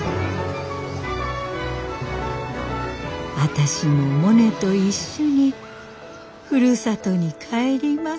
私もモネと一緒にふるさとに帰ります。